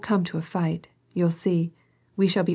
saWlte 1» a fight. You'll see, we shall be o.